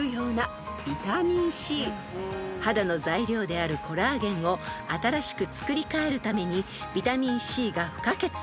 ［肌の材料であるコラーゲンを新しくつくりかえるためにビタミンＣが不可欠］